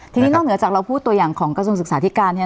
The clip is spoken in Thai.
ทีนี้นอกเหนือจากเราพูดตัวอย่างของกระทรวงศึกษาธิการเนี่ย